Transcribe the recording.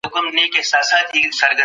تاسو څه ډول کارونه خوښوئ؟